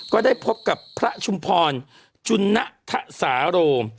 ก็ได้พบกับพระชุมพรจุณฑสารโรม